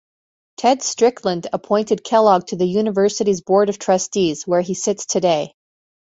Ted Strickland appointed Kellogg to the university's board of trustees, where he sits today.